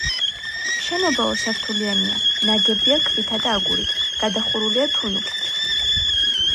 შენობა ორსართულიანია, ნაგებია ქვითა და აგურით, გადახურულია თუნუქით.